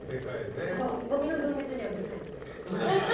ごみの分別にはうるさいの私。